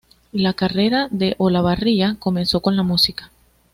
La carrera de Olavarría comenzó con la música.